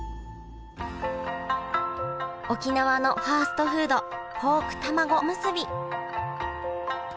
沖縄のファストフードポークたまごおむすび。